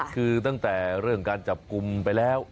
คือตั้งแต่เรื่องการจับกลุ่มไปแล้ว